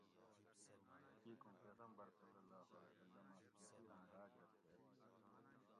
کیکوں پیغمبر (ص) اۤ پِشیراۤں ڈاۤگ رہ تھیر تھیش